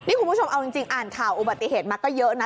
นี่คุณผู้ชมเอาจริงอ่านข่าวอุบัติเหตุมาก็เยอะนะ